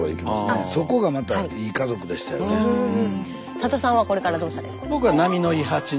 さださんはこれからどうされるんですか？